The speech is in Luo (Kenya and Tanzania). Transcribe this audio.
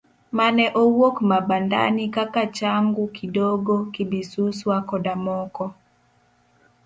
Mane owuok Mabandani kaka Changu Kidogo, Kabisuswa koda moko.